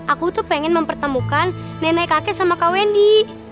aku tuh pengen mempertemukan nenek kakek sama kak wendy